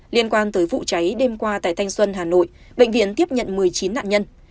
liên quan tới vụ cháy đêm qua tại thanh xuân hà nội bệnh viện tiếp nhận một mươi chín nạn nhân